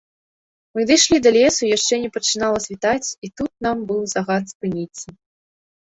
Мы дайшлі да лесу, яшчэ не пачынала світаць, і тут нам быў загад спыніцца.